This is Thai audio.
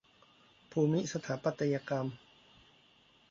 ภูมิสถาปัตยกรรม